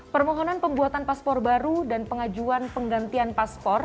permohonan pembuatan paspor baru dan pengajuan penggantian paspor